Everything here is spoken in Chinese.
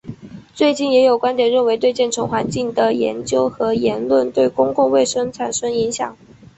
最近也有观点认为对建成环境的研究和言论对公共卫生产生影响。